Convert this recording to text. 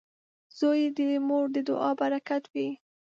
• زوی د مور د دعا برکت وي.